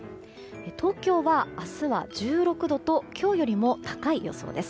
東京は明日は１６度と今日よりも高い予想です。